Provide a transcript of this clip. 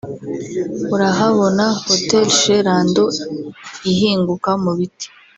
urahabona Hotel Chez Lando ihinguka mu biti